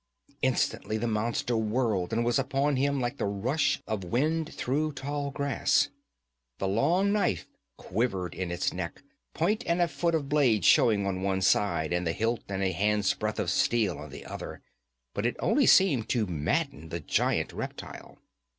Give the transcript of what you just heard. Instantly the monster whirled and was upon him like the rush of wind through tall grass. The long knife quivered in its neck, point and a foot of blade showing on one side, and the hilt and a hand's breadth of steel on the other, but it only seemed to madden the giant reptile.